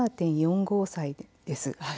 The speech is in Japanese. ８７．４５歳です。